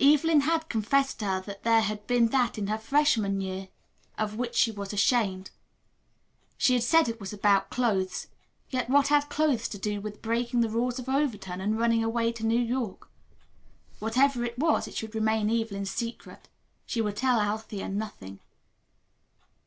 Evelyn had confessed to her that there had been that in her freshman year of which she was ashamed. She had said it was about clothes, yet what had clothes to do with breaking the rules of Overton and running away to New York? Whatever it was, it should remain Evelyn's secret. She would tell Althea nothing.